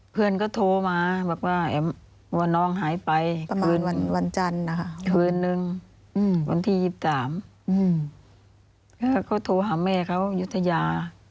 เพื่อนก็โทรมาว่าแอ๋มหน้าพูดว่าน้องหายไป